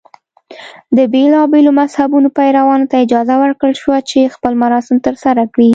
د بېلابېلو مذهبونو پیروانو ته اجازه ورکړل شوه چې خپل مراسم ترسره کړي.